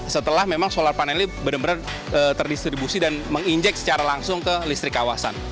setelah memang solar panel ini benar benar terdistribusi dan menginjek secara langsung ke listrik kawasan